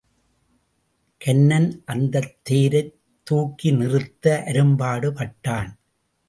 கன்னன் அந்தத் தேரைத் துக்கி நிறுத்த அரும்பாடு பட்டான்.